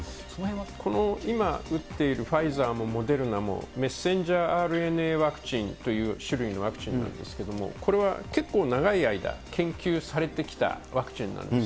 今、打っているファイザーもモデルナも、ｍＲＮＡワクチンという種類のワクチンなんですけれども、これは結構長い間、研究されてきたワクチンなんです。